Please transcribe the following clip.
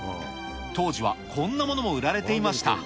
当時はこんなものも売られていました。